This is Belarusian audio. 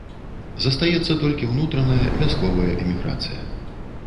Застаецца толькі ўнутраная, вясковая эміграцыя.